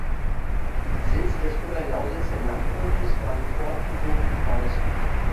Sitz des Oberlausitzer Landvogtes war die Ortenburg in Bautzen.